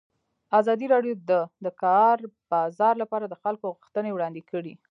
ازادي راډیو د د کار بازار لپاره د خلکو غوښتنې وړاندې کړي.